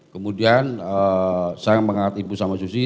kemudian saya mengangkat ibu sama susi